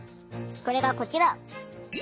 それがこちら！